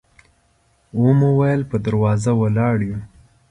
و مو ویل په دروازه ولاړ یو.